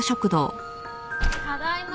・ただいま！